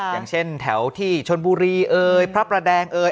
อย่างเช่นแถวที่ชนบุรีเอ่ยพระประแดงเอ่ย